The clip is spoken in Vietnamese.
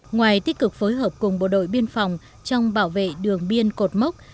ngoài tích cực phối hợp cùng bộ đội biên phòng trong bảo vệ đường biên cột mốc